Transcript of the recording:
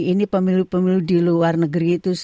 ini pemilu pemilu di luar negeri itu